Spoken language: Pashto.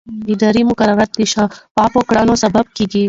اداري مقررات د شفافو کړنو سبب کېږي.